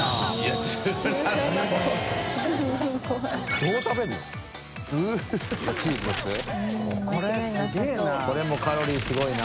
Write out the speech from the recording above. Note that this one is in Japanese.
垢欧Г福これもカロリーすごいな。